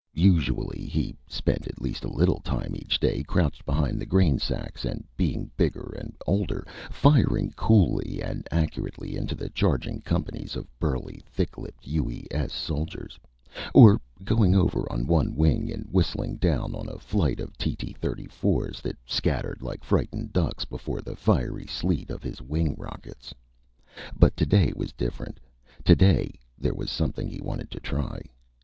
Usually, he spent at least a little time each day crouched behind the grainsacks and being bigger and older, firing cooly and accurately into charging companies of burly, thick lipped UES soldiers, or going over on one wing and whistling down on a flight of TT 34's that scattered like frightened ducks before the fiery sleet of his wing rockets. But today was different, today there was something he wanted to try.